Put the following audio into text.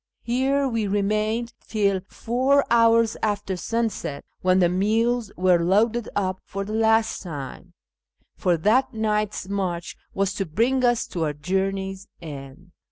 Here we remained till four hours after sunset, when the mules were loaded up for the last time, for that night's march was to bring us to our journey's end.